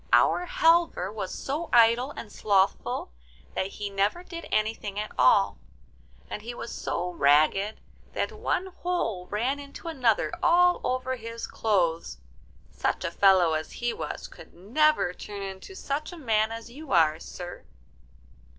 'Our Halvor was so idle and slothful that he never did anything at all, and he was so ragged that one hole ran into another all over his clothes. Such a fellow as he was could never turn into such a man as you are, sir.